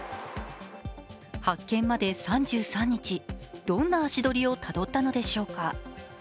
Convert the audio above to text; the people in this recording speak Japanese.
発見まで３３日、どんな足取りをたどったのでしょうか。